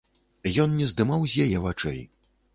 Ён не здымаў з яе вачэй.